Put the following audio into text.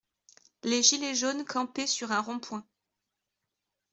Les gilets jaunes campaient sur un rond-point.